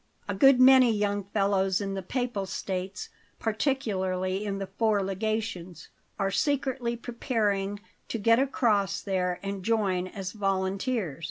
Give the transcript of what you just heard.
A good many young fellows in the Papal States particularly in the Four Legations are secretly preparing to get across there and join as volunteers.